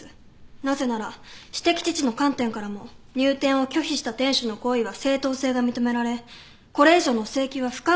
なぜなら私的自治の観点からも入店を拒否した店主の行為は正当性が認められこれ以上の請求は不可能だからです。